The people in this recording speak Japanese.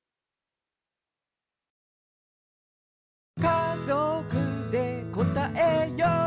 「かぞくでこたえよう」